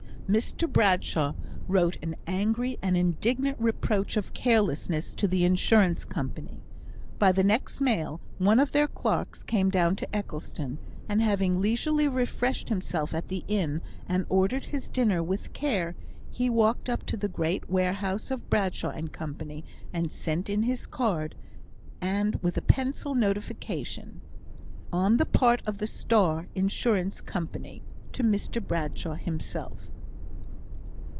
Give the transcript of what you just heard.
Mr Bradshaw wrote an angry and indignant reproach of carelessness to the Insurance Company. By the next mail one of their clerks came down to Eccleston; and having leisurely refreshed himself at the inn, and ordered his dinner with care, he walked up to the great warehouse of Bradshaw and Co., and sent in his card, with a pencil notification, "On the part of the Star Insurance Company," to Mr Bradshaw himself.